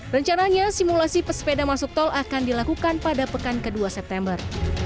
rencananya simulasi pesepeda masuk tol akan dilakukan pada pekan ke dua september